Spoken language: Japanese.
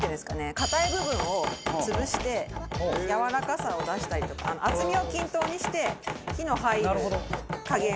硬い部分を潰してやわらかさを出したりとか厚みを均等にして火の入る加減を等しくしていく感じ。